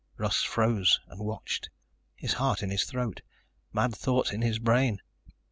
Russ froze and watched, his heart in his throat, mad thoughts in his brain.